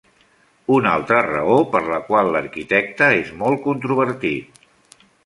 Una altra raó per la qual l'arquitecte és molt controvertit.